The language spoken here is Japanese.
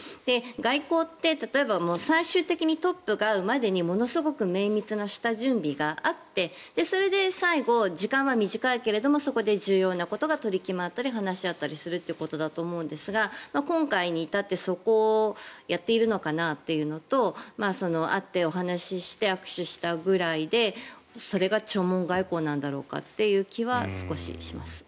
外交って例えば最終的にトップが会うまでにものすごく綿密な下準備があってそれで最後、時間は短いけどもそこで重要なことが取り決まったり話し合ったりするということだと思うんですが今回に至って、そこをやっているのかなというのと会って、お話しして握手したぐらいでそれが弔問外交なんだろうかという気は少しします。